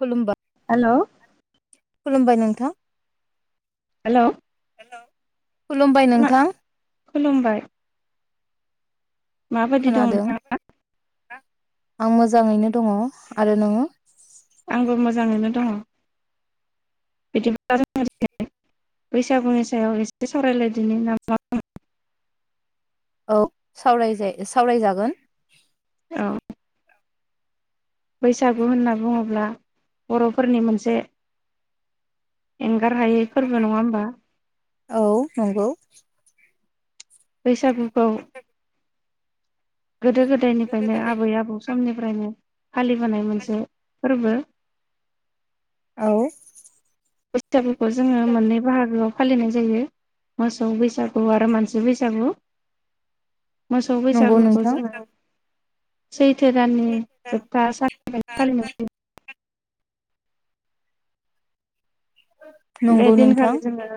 खुलुमबा hello खुलुमबाय नोंथां। Hello हेल' खुलुमबाय नोंथां। खुलुमबाय माबायदि दं नोंथाङा? दा आं मोजाङैनो दङ आरो नोङो? आंबो मोजाङैनो दङ। बिदिब्ला [unintelligible] बैसागुनि सायाव एसे सावरायलायदिनि नामा मा बुङो? औ सावरायजायो सावरायजागोन। औ बैसागु होनना बुङोब्ला बर'फोरनि मोनसे एंगार हायै फोरबो नङा होमबा? औ नंगौ। बैसागुखौ गोदो गोदायनिफ्रायनो आबै आबौ समनिफ्रायनो फालिबोनाय मोनसे फोरबो। औ सागोखौ जोङो मोननै बाहागोआव फालिनाय जायो मोसौ बैसागु आरो मानसि बैसागु। मोसौ नंगौ बैसागुखौ नोंथां जोङो सैथो दाननि जोबथा साननिफ्राय फालिनाय जायो। बे नंगौ नोंथां दिनखालि जोङो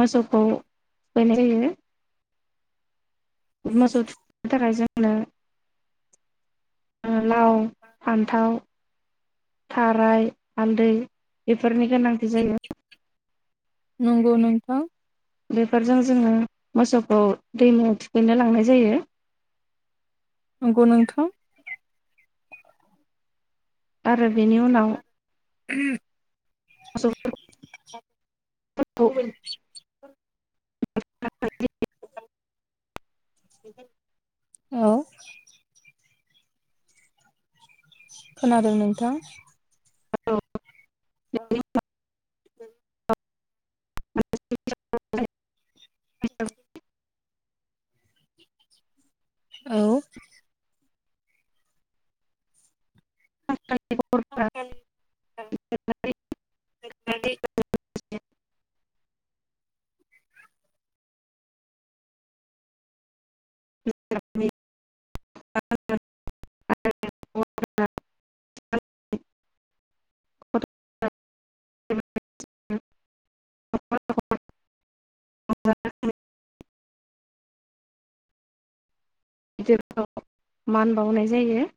मोसौखौ थुखैनाय जायो मोसौ थुखैनो थाखाय जोंनो लाव फान्थाव थाराय हालदै बेफोरनि गोनांथि जायो। नंगौ नोंथां। बेफोरजों जोङो मोसौखौ दैमायाव थुखैनो लांनाय जायो। नंगौ नोंथां। आरो बेनि उनाव ह [inaudible] [unintelligible] [unintelligible] [unintelligible] [unintelligible] औ खोनादों नोंथां? [unintelligible] [unintelligible] [unintelligible] औ [unintelligible] [unintelligible] [unintelligible] [unintelligible] [unintelligible] मान बावनाय जायो।